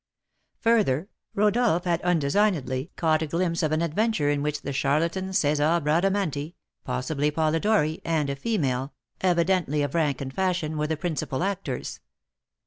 Further, Rodolph had undesignedly caught a glimpse of an adventure in which the charlatan César Bradamanti (possibly Polidori) and a female, evidently of rank and fashion, were the principal actors.